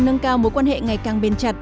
nâng cao mối quan hệ ngày càng bền chặt